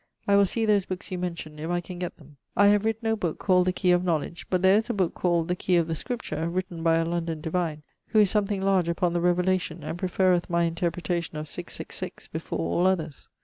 I will see those bookes you mention if I can get them. I have writte no booke called The Key of Knowledg, but there is a booke called The Key of the Scripture written by a London divine, who is something large upon the Revelation, and preferreth my interpretation of 666 before all others.